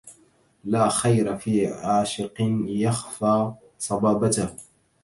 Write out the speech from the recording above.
لا خير في عاشق يخفى صبابته